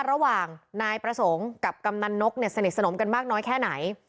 ระหว่างนายประสงค์กับกำนันนกเนี่ยสนิทสนมกันมากน้อยแค่ไหน